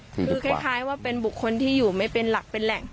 คือคล้ายว่าเป็นบุคคลที่อยู่ไม่เป็นหลักเป็นแหล่ง